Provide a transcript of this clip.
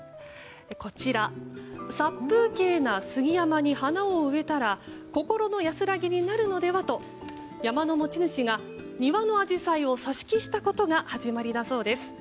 こちら、殺風景な杉山に花を植えたら心の安らぎになるのではと山の持ち主が庭のアジサイを挿し木したことが始まりだそうです。